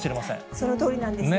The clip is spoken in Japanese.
そのとおりなんですね。